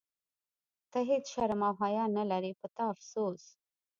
ته هیڅ شرم او حیا نه لرې، په تا افسوس.